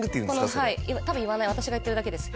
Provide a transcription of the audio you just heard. それ多分言わない私が言ってるだけです